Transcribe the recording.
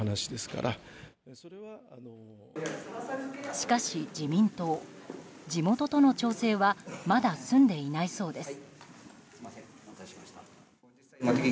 しかし自民党、地元との調整はまだ済んでいないそうです。